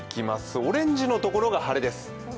オレンジの所が晴れです。